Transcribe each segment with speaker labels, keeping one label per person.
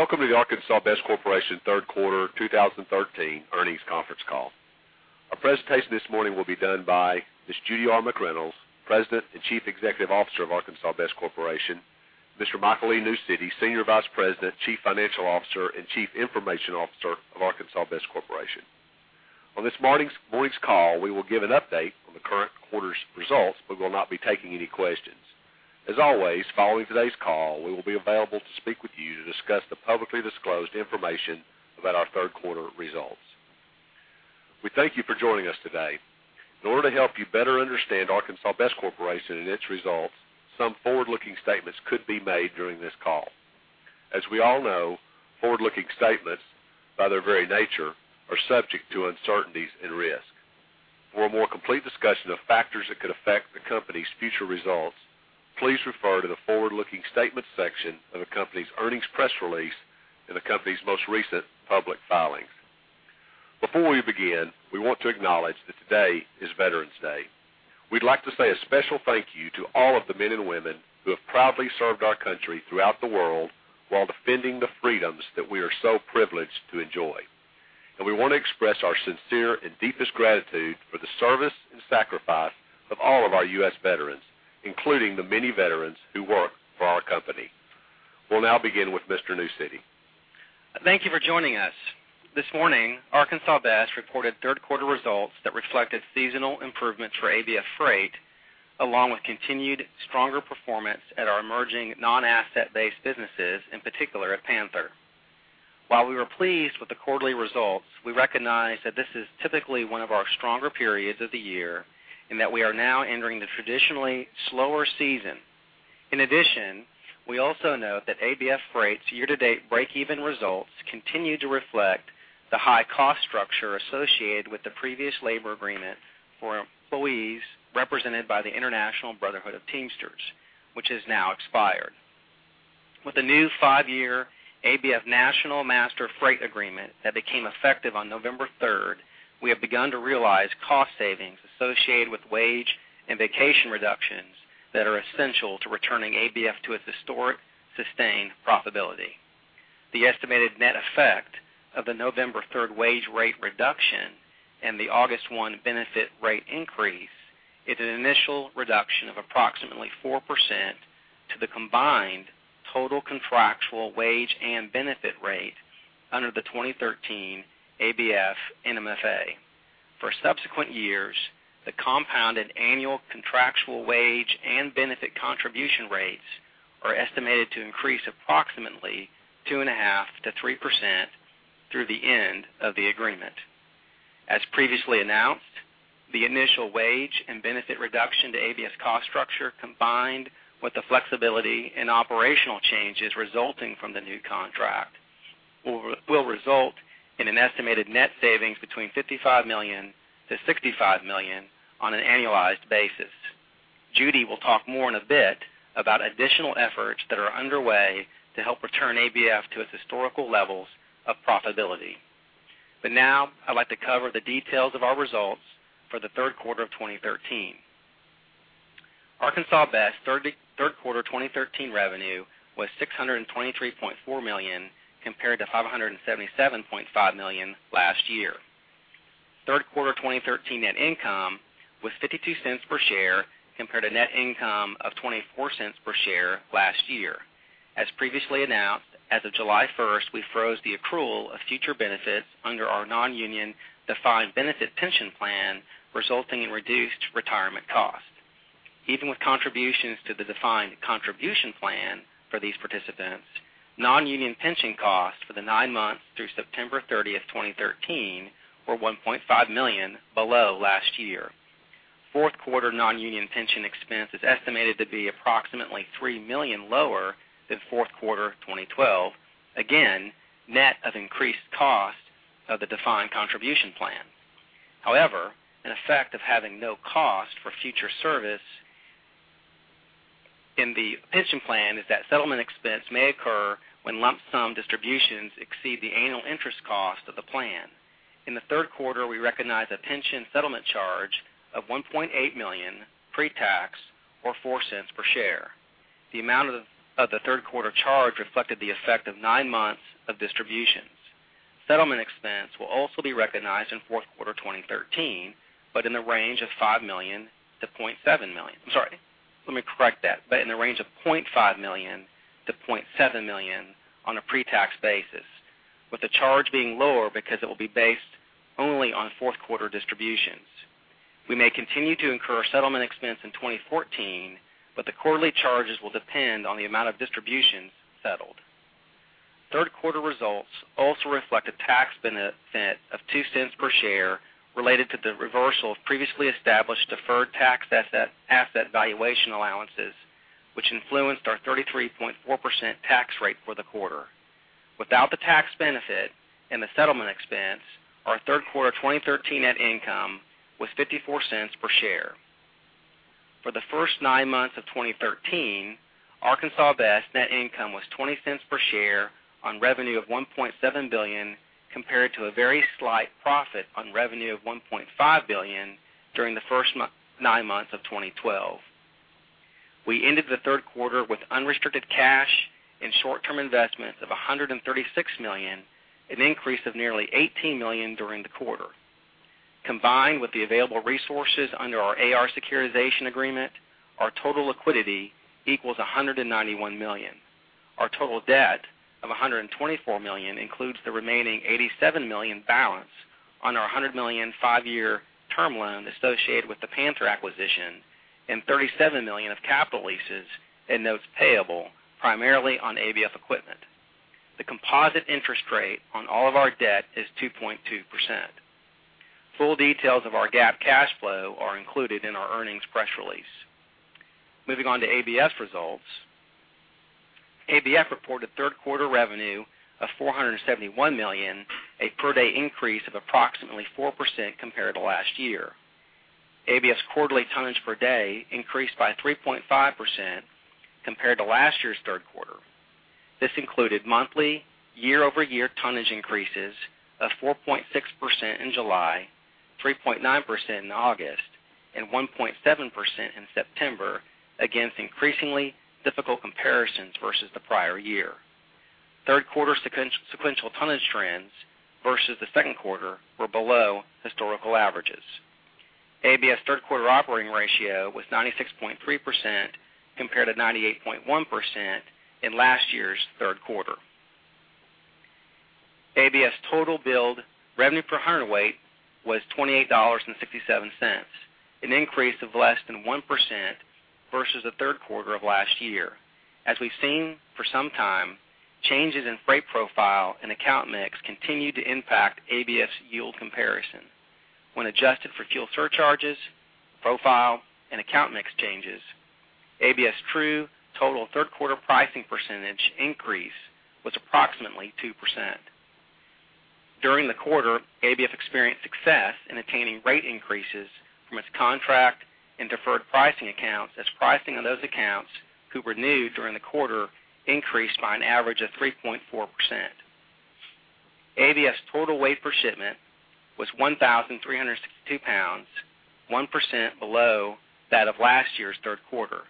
Speaker 1: Welcome to the Arkansas Best Corporation Third Quarter 2013 Earnings Conference Call. Our presentation this morning will be done by Ms. Judy R. McReynolds, President and Chief Executive Officer of Arkansas Best Corporation, Mr. Michael E. Newcity, Senior Vice President, Chief Financial Officer, and Chief Information Officer of Arkansas Best Corporation. On this morning's call, we will give an update on the current quarter's results, but will not be taking any questions. As always, following today's call, we will be available to speak with you to discuss the publicly disclosed information about our third quarter results. We thank you for joining us today. In order to help you better understand Arkansas Best Corporation and its results, some forward-looking statements could be made during this call. As we all know, forward-looking statements, by their very nature, are subject to uncertainties and risk. For a more complete discussion of factors that could affect the company's future results, please refer to the Forward-Looking Statements section of the company's earnings press release in the company's most recent public filings. Before we begin, we want to acknowledge that today is Veterans Day. We'd like to say a special thank you to all of the men and women who have proudly served our country throughout the world while defending the freedoms that we are so privileged to enjoy. We want to express our sincere and deepest gratitude for the service and sacrifice of all of our U.S. veterans, including the many veterans who work for our company. We'll now begin with Mr. Newcity.
Speaker 2: Thank you for joining us. This morning, Arkansas Best reported third quarter results that reflected seasonal improvements for ABF Freight, along with continued stronger performance at our emerging non-asset-based businesses, in particular at Panther. While we were pleased with the quarterly results, we recognize that this is typically one of our stronger periods of the year, and that we are now entering the traditionally slower season. In addition, we also note that ABF Freight's year-to-date breakeven results continue to reflect the high cost structure associated with the previous labor agreement for employees represented by the International Brotherhood of Teamsters, which has now expired. With the new five-year ABF National Master Freight Agreement that became effective on November third, we have begun to realize cost savings associated with wage and vacation reductions that are essential to returning ABF to its historic sustained profitability. The estimated net effect of the November 3 wage rate reduction and the August 1 benefit rate increase is an initial reduction of approximately 4% to the combined total contractual wage and benefit rate under the 2013 ABF NMFA. For subsequent years, the compounded annual contractual wage and benefit contribution rates are estimated to increase approximately 2.5%-3% through the end of the agreement. As previously announced, the initial wage and benefit reduction to ABF's cost structure, combined with the flexibility and operational changes resulting from the new contract, will result in an estimated net savings between $55 million-$65 million on an annualized basis. Judy will talk more in a bit about additional efforts that are underway to help return ABF to its historical levels of profitability. But now I'd like to cover the details of our results for the third quarter of 2013. Arkansas Best third quarter 2013 revenue was $623.4 million, compared to $577.5 million last year. Third quarter 2013 net income was $0.52 per share, compared to net income of $0.24 per share last year. As previously announced, as of July 1, we froze the accrual of future benefits under our non-union defined benefit pension plan, resulting in reduced retirement costs. Even with contributions to the defined contribution plan for these participants, non-union pension costs for the nine months through September 30, 2013, were $1.5 million below last year. Fourth quarter non-union pension expense is estimated to be approximately $3 million lower than fourth quarter 2012. Again, net of increased costs of the defined contribution plan. However, an effect of having no cost for future service... in the pension plan is that settlement expense may occur when lump sum distributions exceed the annual interest cost of the plan. In the third quarter, we recognized a pension settlement charge of $1.8 million pre-tax, or $0.04 per share. The amount of the third quarter charge reflected the effect of nine months of distributions. Settlement expense will also be recognized in fourth quarter 2013, but in the range of $5 million to $0.7 million. I'm sorry, let me correct that, but in the range of $0.5 million-$0.7 million on a pre-tax basis, with the charge being lower because it will be based only on fourth quarter distributions. We may continue to incur settlement expense in 2014, but the quarterly charges will depend on the amount of distributions settled. Third quarter results also reflect a tax benefit of $0.02 per share related to the reversal of previously established deferred tax asset valuation allowances, which influenced our 33.4% tax rate for the quarter. Without the tax benefit and the settlement expense, our third quarter 2013 net income was $0.54 per share. For the first nine months of 2013, Arkansas Best net income was $0.20 per share on revenue of $1.7 billion, compared to a very slight profit on revenue of $1.5 billion during the first nine months of 2012. We ended the third quarter with unrestricted cash and short-term investments of $136 million, an increase of nearly $18 million during the quarter. Combined with the available resources under our AR Securitization Agreement, our total liquidity equals $191 million. Our total debt of $124 million includes the remaining $87 million balance on our $100 million, 5-year term loan associated with the Panther acquisition, and $37 million of capital leases and notes payable, primarily on ABF equipment. The composite interest rate on all of our debt is 2.2%. Full details of our GAAP cash flow are included in our earnings press release. Moving on to ABF's results. ABF reported third quarter revenue of $471 million, a per-day increase of approximately 4% compared to last year. ABF's quarterly tonnage per day increased by 3.5% compared to last year's third quarter. This included monthly, year-over-year tonnage increases of 4.6% in July, 3.9% in August, and 1.7% in September, against increasingly difficult comparisons versus the prior year. Third quarter sequential tonnage trends versus the second quarter were below historical averages. ABF's third quarter operating ratio was 96.3%, compared to 98.1% in last year's third quarter. ABF's total billed revenue per hundredweight was $28.67, an increase of less than 1% versus the third quarter of last year. As we've seen for some time, changes in freight profile and account mix continued to impact ABF's yield comparison. When adjusted for fuel surcharges, profile, and account mix changes, ABF's true total third quarter pricing percentage increase was approximately 2%. During the quarter, ABF experienced success in attaining rate increases from its contract and deferred pricing accounts, as pricing on those accounts who renewed during the quarter increased by an average of 3.4%. ABF's total weight per shipment was 1,362 pounds, 1% below that of last year's third quarter.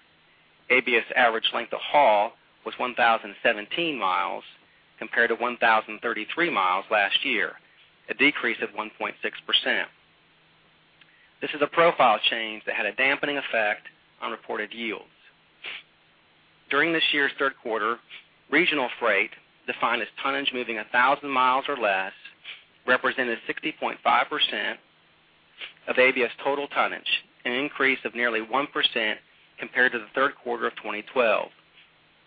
Speaker 2: ABF's average length of haul was 1,017 miles, compared to 1,033 miles last year, a decrease of 1.6%. This is a profile change that had a dampening effect on reported yields. During this year's third quarter, regional freight, defined as tonnage moving 1,000 miles or less, represented 60.5% of ABF's total tonnage, an increase of nearly 1% compared to the third quarter of 2012.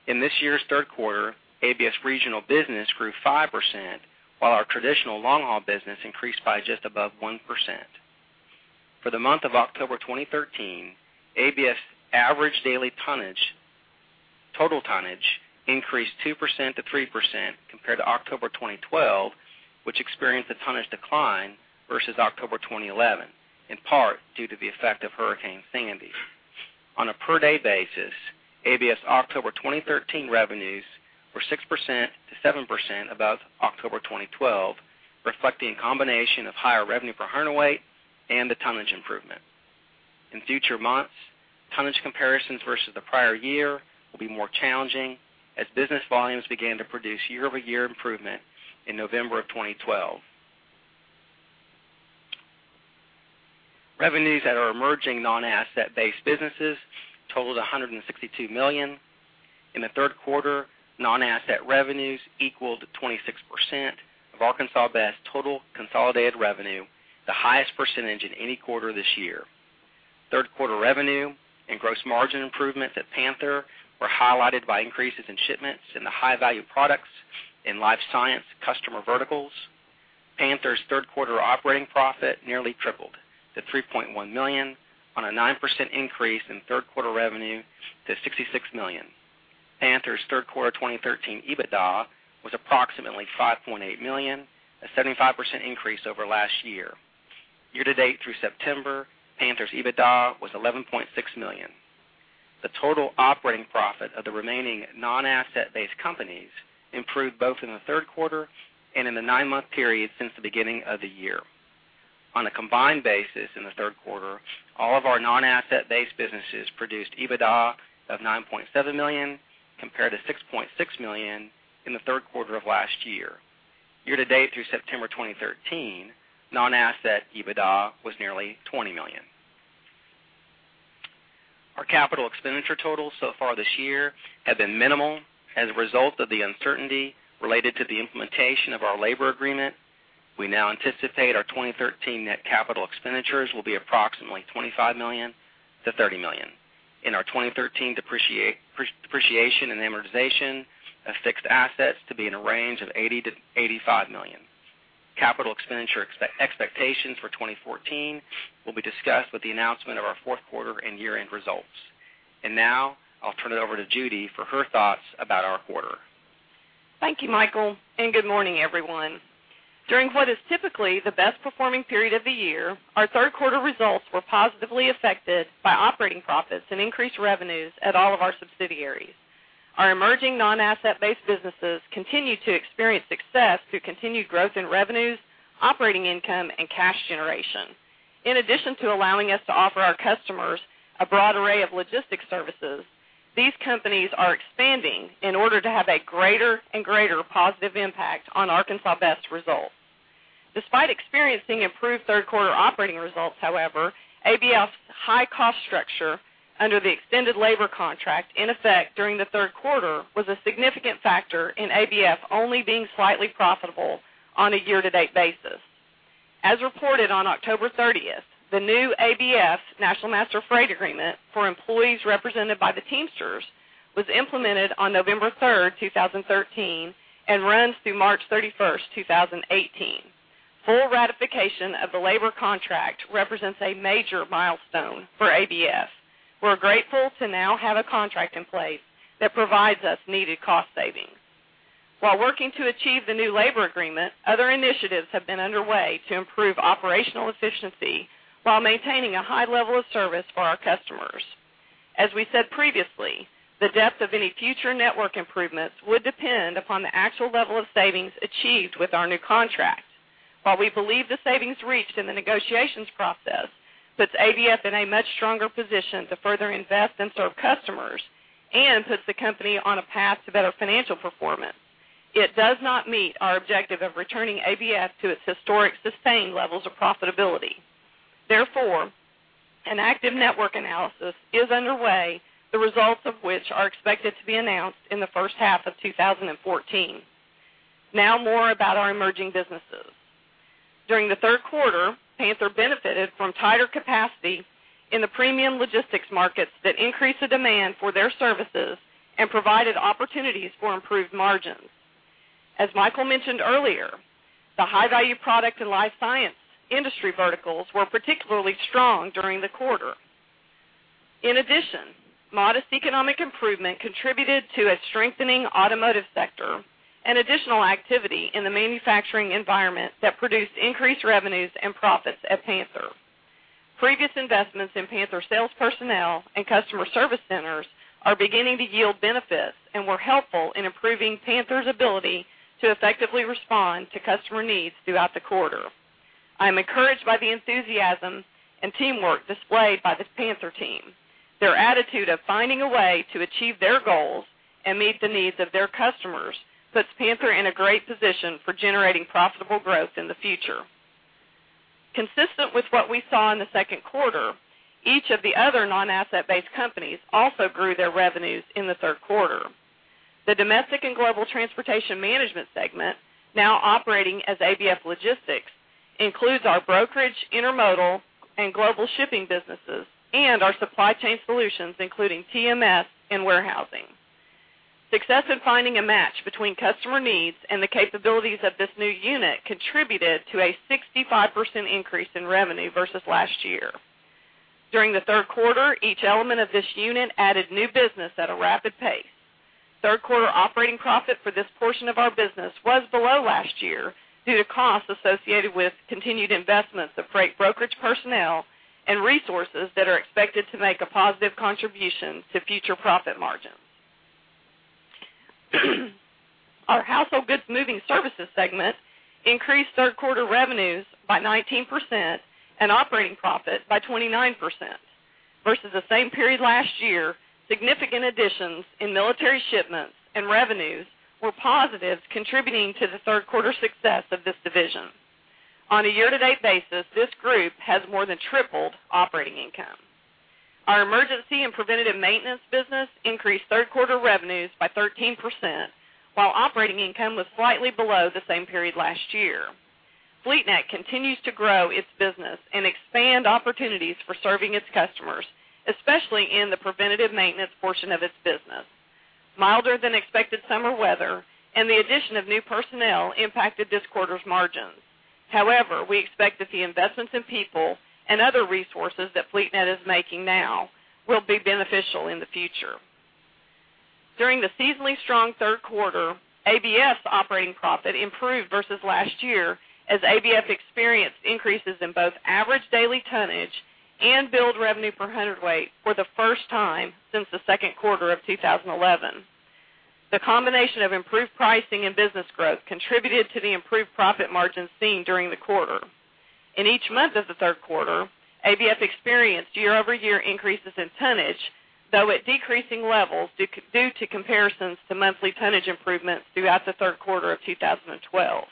Speaker 2: In this year's third quarter, ABF's regional business grew 5%, while our traditional long-haul business increased by just above 1%. For the month of October 2013, ABF's average daily tonnage, total tonnage, increased 2%-3% compared to October 2012, which experienced a tonnage decline versus October 2011, in part due to the effect of Hurricane Sandy. On a per-day basis, ABF's October 2013 revenues were 6%-7% above October 2012, reflecting a combination of higher revenue per hundredweight and the tonnage improvement. In future months, tonnage comparisons versus the prior year will be more challenging as business volumes began to produce year-over-year improvement in November of 2012. Revenues at our emerging non-asset-based businesses totaled $162 million. In the third quarter, non-asset revenues equaled 26% of Arkansas Best's total consolidated revenue, the highest percentage in any quarter this year. Third quarter revenue and gross margin improvements at Panther were highlighted by increases in shipments in the high-value products in life science customer verticals. Panther's third quarter operating profit nearly tripled to $3.1 million on a 9% increase in third quarter revenue to $66 million. Panther's third quarter 2013 EBITDA was approximately $5.8 million, a 75% increase over last year. Year-to-date through September, Panther's EBITDA was $11.6 million. The total operating profit of the remaining non-asset-based companies improved both in the third quarter and in the nine-month period since the beginning of the year. On a combined basis, in the third quarter, all of our non-asset-based businesses produced EBITDA of $9.7 million, compared to $6.6 million in the third quarter of last year. Year-to-date through September 2013, non-asset EBITDA was nearly $20 million. Our capital expenditure totals so far this year have been minimal as a result of the uncertainty related to the implementation of our labor agreement. We now anticipate our 2013 net capital expenditures will be approximately $25 million-$30 million, and our 2013 depreciation and amortization of fixed assets to be in a range of $80 million-$85 million. Capital expenditure expectations for 2014 will be discussed with the announcement of our fourth quarter and year-end results. And now I'll turn it over to Judy for her thoughts about our quarter.
Speaker 3: Thank you, Michael, and good morning, everyone. During what is typically the best performing period of the year, our third quarter results were positively affected by operating profits and increased revenues at all of our subsidiaries.... Our emerging non-asset-based businesses continue to experience success through continued growth in revenues, operating income, and cash generation. In addition to allowing us to offer our customers a broad array of logistics services, these companies are expanding in order to have a greater and greater positive impact on Arkansas Best results. Despite experiencing improved third quarter operating results, however, ABF's high cost structure under the extended labor contract in effect during the third quarter was a significant factor in ABF only being slightly profitable on a year-to-date basis. As reported on October 30th, the new ABF National Master Freight Agreement for employees represented by the Teamsters was implemented on November 3rd, 2013, and runs through March 31st, 2018. Full ratification of the labor contract represents a major milestone for ABF. We're grateful to now have a contract in place that provides us needed cost savings. While working to achieve the new labor agreement, other initiatives have been underway to improve operational efficiency while maintaining a high level of service for our customers. As we said previously, the depth of any future network improvements would depend upon the actual level of savings achieved with our new contract. While we believe the savings reached in the negotiations process puts ABF in a much stronger position to further invest and serve customers, and puts the company on a path to better financial performance, it does not meet our objective of returning ABF to its historic sustained levels of profitability. Therefore, an active network analysis is underway, the results of which are expected to be announced in the first half of 2014. Now, more about our emerging businesses. During the third quarter, Panther benefited from tighter capacity in the premium logistics markets that increased the demand for their services and provided opportunities for improved margins. As Michael mentioned earlier, the high-value product and life science industry verticals were particularly strong during the quarter. In addition, modest economic improvement contributed to a strengthening automotive sector and additional activity in the manufacturing environment that produced increased revenues and profits at Panther. Previous investments in Panther sales personnel and customer service centers are beginning to yield benefits and were helpful in improving Panther's ability to effectively respond to customer needs throughout the quarter. I am encouraged by the enthusiasm and teamwork displayed by the Panther team. Their attitude of finding a way to achieve their goals and meet the needs of their customers puts Panther in a great position for generating profitable growth in the future. Consistent with what we saw in the second quarter, each of the other non-asset-based companies also grew their revenues in the third quarter. The Domestic and Global Transportation Management segment, now operating as ABF Logistics, includes our brokerage, intermodal, and global shipping businesses, and our supply chain solutions, including TMS and warehousing. Success in finding a match between customer needs and the capabilities of this new unit contributed to a 65% increase in revenue versus last year. During the third quarter, each element of this unit added new business at a rapid pace. Third quarter operating profit for this portion of our business was below last year due to costs associated with continued investments of freight brokerage personnel and resources that are expected to make a positive contribution to future profit margins. Our Household Goods Moving Services segment increased third quarter revenues by 19% and operating profit by 29% versus the same period last year. Significant additions in military shipments and revenues were positives contributing to the third quarter success of this division. On a year-to-date basis, this group has more than tripled operating income. Our Emergency and Preventative Maintenance business increased third quarter revenues by 13%, while operating income was slightly below the same period last year. FleetNet continues to grow its business and expand opportunities for serving its customers, especially in the preventative maintenance portion of its business. Milder-than-expected summer weather and the addition of new personnel impacted this quarter's margins. However, we expect that the investments in people and other resources that FleetNet is making now will be beneficial in the future. During the seasonally strong third quarter, ABF's operating profit improved versus last year, as ABF experienced increases in both average daily tonnage and billed revenue per hundredweight for the first time since the second quarter of 2011. The combination of improved pricing and business growth contributed to the improved profit margins seen during the quarter. In each month of the third quarter, ABF experienced year-over-year increases in tonnage, though at decreasing levels due to comparisons to monthly tonnage improvements throughout the third quarter of 2012.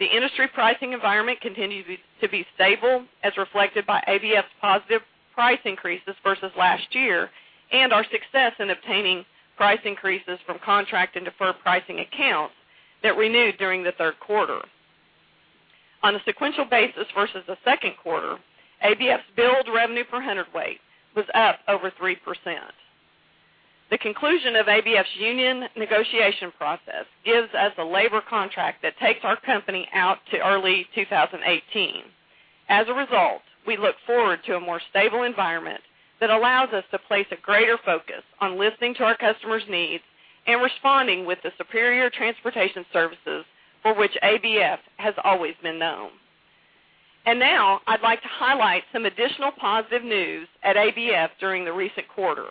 Speaker 3: The industry pricing environment continued to be stable, as reflected by ABF's positive price increases versus last year, and our success in obtaining price increases from contract and deferred pricing accounts that renewed during the third quarter. On a sequential basis versus the second quarter, ABF's billed revenue per hundredweight was up over 3%. The conclusion of ABF's union negotiation process gives us a labor contract that takes our company out to early 2018. As a result, we look forward to a more stable environment that allows us to place a greater focus on listening to our customers' needs and responding with the superior transportation services for which ABF has always been known. And now I'd like to highlight some additional positive news at ABF during the recent quarter.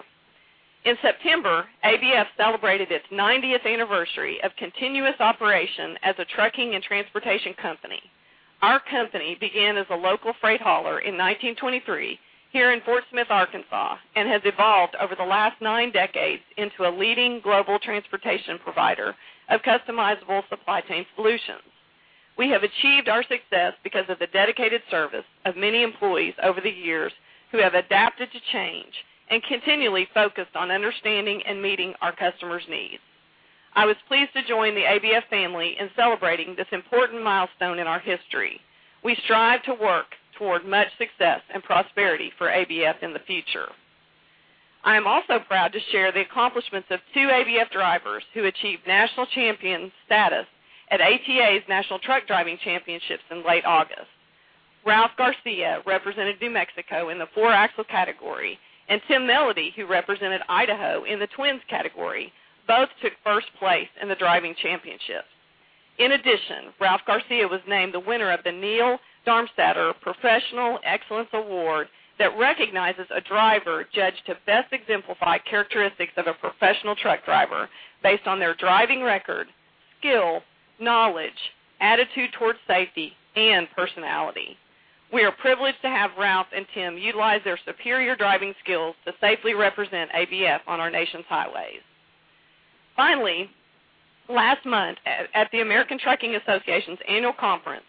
Speaker 3: In September, ABF celebrated its 90th anniversary of continuous operation as a trucking and transportation company. Our company began as a local freight hauler in 1923 here in Fort Smith, Arkansas, and has evolved over the last 9 decades into a leading global transportation provider of customizable supply chain solutions. We have achieved our success because of the dedicated service of many employees over the years who have adapted to change and continually focused on understanding and meeting our customers' needs. I was pleased to join the ABF family in celebrating this important milestone in our history. We strive to work toward much success and prosperity for ABF in the future. I am also proud to share the accomplishments of two ABF drivers who achieved national champion status at ATA's National Truck Driving Championships in late August. Ralph Garcia represented New Mexico in the four-axle category, and Tim Melody, who represented Idaho in the twins category, both took first place in the driving championships. In addition, Ralph Garcia was named the winner of the Neill Darmstadter Professional Excellence Award that recognizes a driver judged to best exemplify characteristics of a professional truck driver based on their driving record, skill, knowledge, attitude towards safety, and personality. We are privileged to have Ralph and Tim utilize their superior driving skills to safely represent ABF on our nation's highways. Finally, last month, at the American Trucking Associations' annual conference,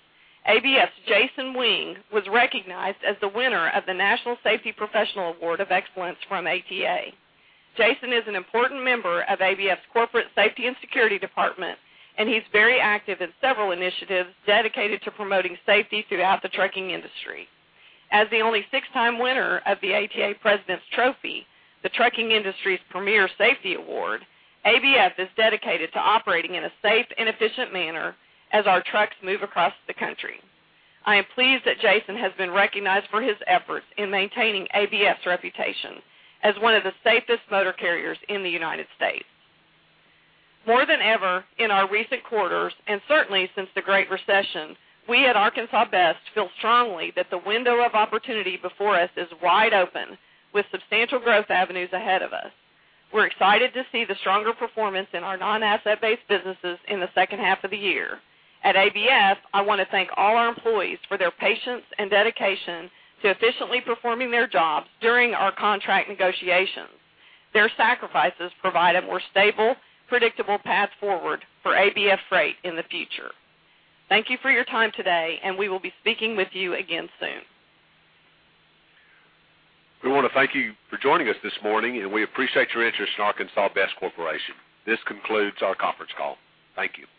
Speaker 3: ABF's Jason Wing was recognized as the winner of the National Safety Professional Award of Excellence from ATA. Jason is an important member of ABF's Corporate Safety and Security Department, and he's very active in several initiatives dedicated to promoting safety throughout the trucking industry. As the only six-time winner of the ATA President's Trophy, the trucking industry's premier safety award, ABF is dedicated to operating in a safe and efficient manner as our trucks move across the country. I am pleased that Jason has been recognized for his efforts in maintaining ABF's reputation as one of the safest motor carriers in the United States. More than ever in our recent quarters, and certainly since the Great Recession, we at Arkansas Best feel strongly that the window of opportunity before us is wide open, with substantial growth avenues ahead of us. We're excited to see the stronger performance in our non-asset-based businesses in the second half of the year. At ABF, I want to thank all our employees for their patience and dedication to efficiently performing their jobs during our contract negotiations. Their sacrifices provide a more stable, predictable path forward for ABF Freight in the future. Thank you for your time today, and we will be speaking with you again soon.
Speaker 1: We want to thank you for joining us this morning, and we appreciate your interest in Arkansas Best Corporation. This concludes our conference call. Thank you.